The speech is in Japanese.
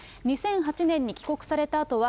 ２００８年に帰国されたあとは、